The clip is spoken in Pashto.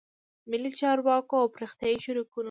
ملي چارواکو او پراختیایي شریکانو